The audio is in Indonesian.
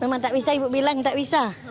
memang tidak bisa ibu bilang tidak bisa